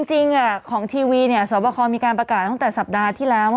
จริงของทีวีสวบคอมีการประกาศตั้งแต่สัปดาห์ที่แล้ว